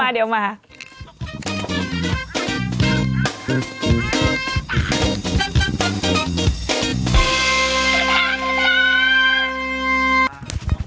พักตอนเดี๋ยวกลับมา